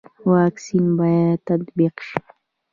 واکسین باید تطبیق شي